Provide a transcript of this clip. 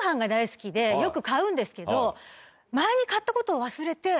よく買うんですけど前に。